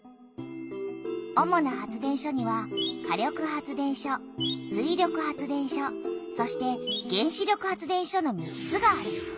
主な発電所には火力発電所水力発電所そして原子力発電所の３つがある。